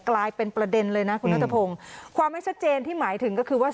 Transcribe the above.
กลายเป็นประเด็นเลยนะคุณนัทพงศ์ความไม่ชัดเจนที่หมายถึงก็คือว่า